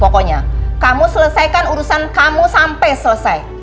pokoknya kamu selesaikan urusan kamu sampai selesai